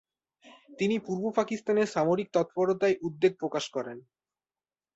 তিনি পূর্ব পাকিস্তানে সামরিক তৎপরতায় উদ্বেগ প্রকাশ করেন।